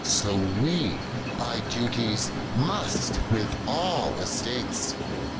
So wv by duties m^fi with all estates : 16.